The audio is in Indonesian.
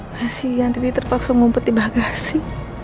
kasian tadi terpaksa ngumpet di bagasi